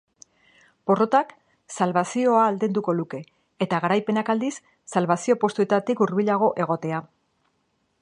Porrotak salbazioa aldenduko luke eta garaipenak, aldiz, salbazio postuetatik hurbilago egotea.